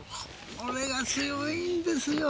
これが強いんですよ。